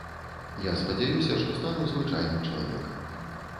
Я спадзяюся, што стану звычайным чалавекам.